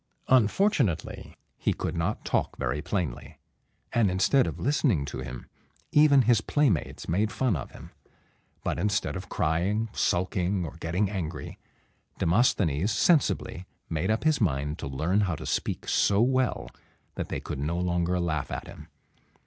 Unfortunately, he could not talk very plainly, and instead of listening to him, even his playmates made fun of him. But instead of crying, sulking, or getting angry, Demosthenes sensibly made up his mind to learn how to speak so well that they could no longer laugh at him.